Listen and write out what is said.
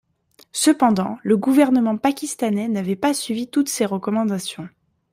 Cependant, le gouvernement pakistanais n'avait pas suivi toutes ses recommandations.